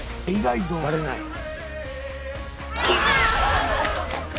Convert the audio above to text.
意外とバレない。